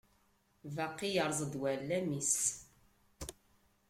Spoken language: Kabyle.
Baqi yerreẓ-d uɛellam-is.